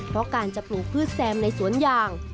เพราะการจะปลูกพืชแซมในสวนยาง